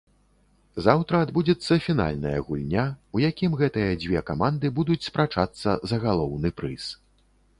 Заўтра адбудзецца фінальная гульня, у якім гэтыя дзве каманды будуць спрачацца за галоўны прыз.